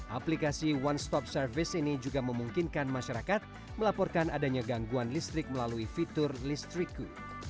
aplikasi one stop service ini juga memungkinkan masyarakat melaporkan adanya gangguan listrik melalui fitur listrikku